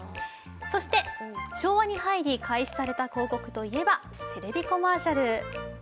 そして、昭和に入り開始された広告といえばテレビコマーシャル。